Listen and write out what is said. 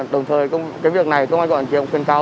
đồng thời cái việc này công an quản kiểm khuyến cáo